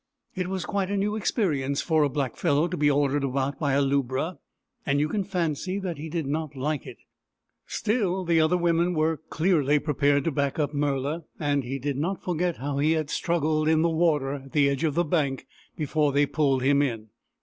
It was quite a new experience for a blackfellow to be ordered about by a lubra, and you can fancy that he did not like it. Still, the other women were clearly prepared to back up Murla ; and he did not forget how he had struggled in the water at the edge of the bank before they pulled him in.